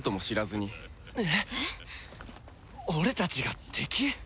えっ俺たちが敵！？